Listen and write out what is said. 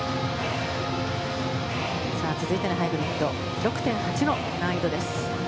続いてのハイブリッドは６．８の難易度です。